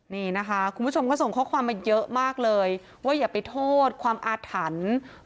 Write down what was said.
นี่นะคะคุณผู้ชมก็ส่งข้อความมาเยอะมากเลยว่าอย่าไปโทษความอาถรรพ์